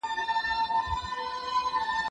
زه مخکي کتابونه ليکلي وو!